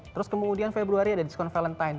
terus kemudian februari ada diskon valentine